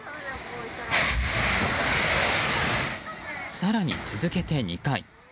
更に、続けて２回。